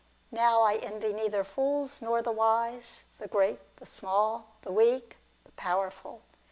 Now, I envy neither fools, nor the wise, the great, the small, the weak, the powerful.